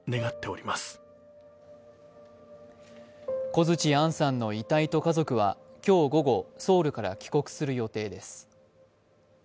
小槌杏さんの遺体と家族は今日午後ソウルから帰国する予定です。